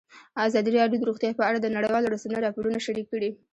ازادي راډیو د روغتیا په اړه د نړیوالو رسنیو راپورونه شریک کړي.